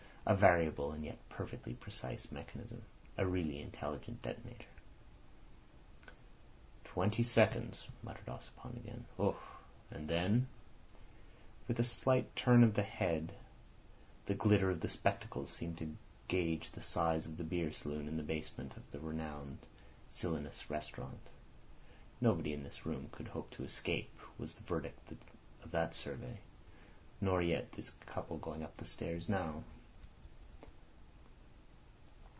A variable and yet perfectly precise mechanism. A really intelligent detonator." "Twenty seconds," muttered Ossipon again. "Ough! And then—" With a slight turn of the head the glitter of the spectacles seemed to gauge the size of the beer saloon in the basement of the renowned Silenus Restaurant. "Nobody in this room could hope to escape," was the verdict of that survey. "Nor yet this couple going up the stairs now."